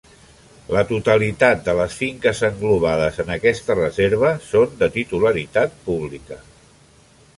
La totalitat de les finques englobades en aquesta Reserva són de titularitat pública.